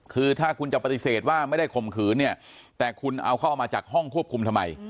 คือถ้าคุณจะปฏิเสธว่าไม่ได้ข่มขืนเนี่ยแต่คุณเอาเข้ามาจากห้องควบคุมทำไม